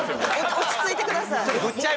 落ち着いてください。